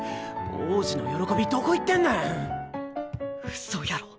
王子の喜びどこ行ってんねん。